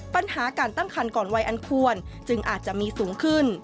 ปัญหาการตั้งคันก่อนวัยอันควรจึงอาจจะมีสูงขึ้น